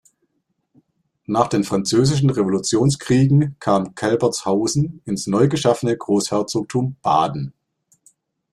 Nach den französischen Revolutionskriegen kam Kälbertshausen ins neu geschaffene Großherzogtum Baden.